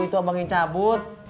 itu abang yang cabut